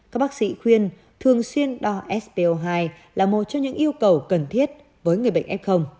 các bác sĩ khuyên thường xuyên đo sco hai là một trong những yêu cầu cần thiết với người bệnh f